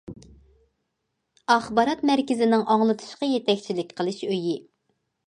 ئاخبارات مەركىزىنىڭ ئاڭلىتىشقا يېتەكچىلىك قىلىش ئۆيى.